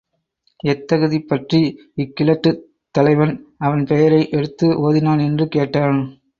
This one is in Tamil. எத்தகுதி பற்றி இக் கிழட்டுத் தலைவன் அவன் பெயரை எடுத்து ஒதினான் என்று கேட்டான்.